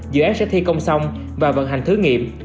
dự án sẽ thi công xong và vận hành thử nghiệm